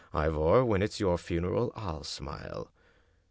Ivor, when it's your funeral, 77/ smile.